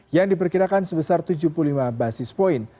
yang diperkirakan sebesar tujuh puluh lima basis point